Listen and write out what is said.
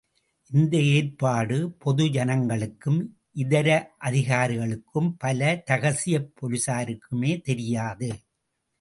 இந்த ஏற்பாடு பொது ஜனங்களுக்கும் இதர அதிகாரிகளுக்கும் பல ரகசியப் போலீஸாருக்குமே தெரியாது.